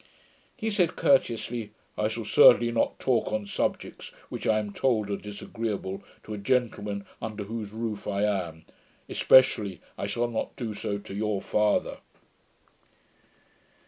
He said courteously, 'I shall certainly not talk on subjects which I am told are disagreeable to a gentleman under whose roof I am; especially, I shall not do so to YOUR FATHER.'